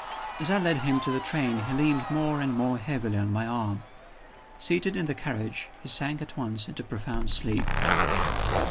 As I led him to the train he leaned more and more heavily on my arm. Seated in the carriage, he sank at once into profound sleep.